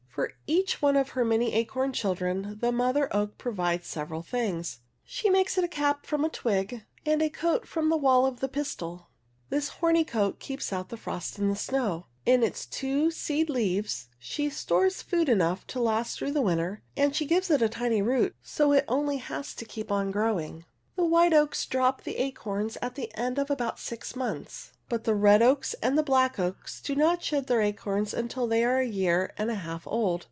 For each one of her many acorn children the mother oak provides several things. She makes it a cap from a twig, and a coat from the wall of the pistil. This horny coat keeps out the frost and the snow. In its two seed leaves she stores food enough to last through the winter and she gives it a tiny root so it has only to keep on growing. The white oaks drop the acorns at the end of about six months, but the red oaks and black oaks do not shed their acorns until they are a year and a half old.